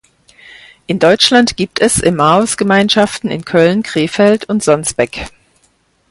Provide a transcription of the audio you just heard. In Deutschland gibt es Emmaus-Gemeinschaften in Köln, Krefeld und Sonsbeck.